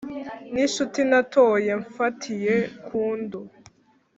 n'inshuti natoye mfatiye kundu